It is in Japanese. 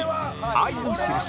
『愛のしるし』